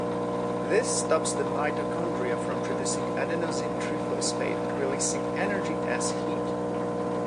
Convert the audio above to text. This stops the mitochondria from producing adenosine triphosphate, releasing energy as heat.